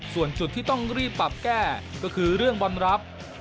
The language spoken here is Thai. ส่วนจุดที่ต้องรีบปรับแก้ก็คือเรื่องบอลรับ